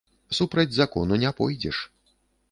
Супраць закону не пойдзеш.